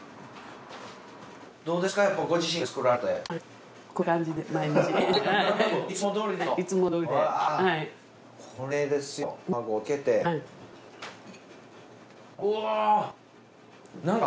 どうですか？